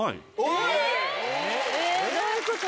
えぇどういうこと？